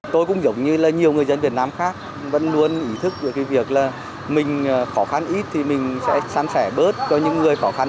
họ khó khăn nhiều hơn